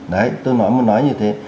đấy tôi nói như thế